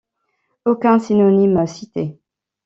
Aucun synonyme cité.